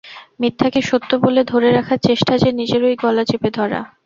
মিথ্যাকে সত্য বলে ধরে রাখার চেষ্টা যে নিজেরই গলা চেপে ধরা।